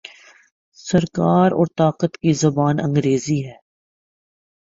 سرکار اور طاقت کی زبان انگریزی ہے۔